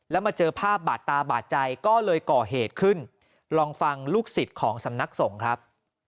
แล้วมาเจอภาพบาดตาบาดใจก็เลยก่อเหตุขึ้นลองฟังลูกศิษย์ของสำนักสงฆ์ครับ